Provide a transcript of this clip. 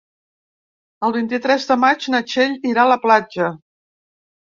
El vint-i-tres de maig na Txell irà a la platja.